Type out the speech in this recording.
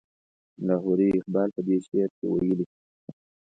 لاهوري اقبال په دې شعر کې ویلي.